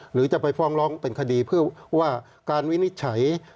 หรือจะไปฟ้องร้องเป็นคดีเพื่อว่าการวินิจฉัย